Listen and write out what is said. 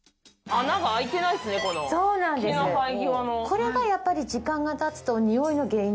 これがやっぱり時間がたつと。